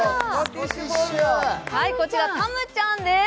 こちら、たむちゃんです。